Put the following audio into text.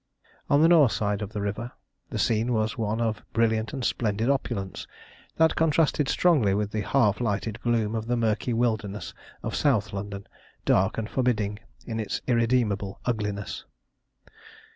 On the north side of the river the scene was one of brilliant and splendid opulence, that contrasted strongly with the half lighted gloom of the murky wilderness of South London, dark and forbidding in its irredeemable ugliness.